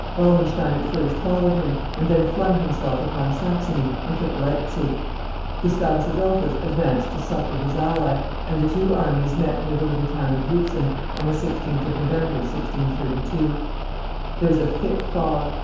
Wallenstein at first followed him, and then flung himself upon Saxony, and took Leipzig; Gustavus Adolphus advanced to succor his ally, and the two armies met near the little town of Liitzen, on the 16th of November, 1632. There was a thick fog.